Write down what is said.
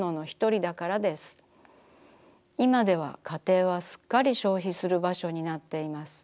いまでは家庭はすっかり消費するばしょになっています。